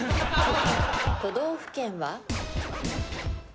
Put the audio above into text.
都道府県は？